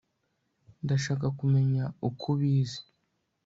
Ndashaka kumenya uko ubizi